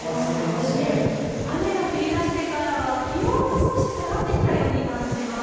そして雨が降りだしてからは気温も少し下がってきたように感じます。